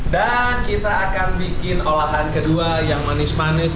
dan kita akan bikin olahan kedua yang manis manis